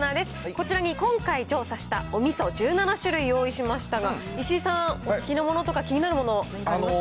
こちらに今回調査したおみそ１７種類用意しましたが、石井さん、お好きなものとか、気になるもの何かありますか？